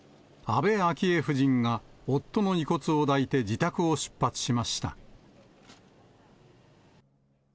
安倍昭恵夫人が夫の遺骨を抱いて自宅を出発しました。